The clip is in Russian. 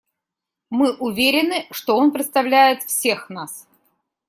Мы уверены, что он представляет всех нас.